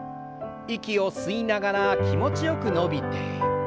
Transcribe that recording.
息を吸いながら気持ちよく伸びて。